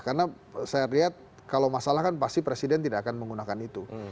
karena saya lihat kalau masalah kan pasti presiden tidak akan menggunakan itu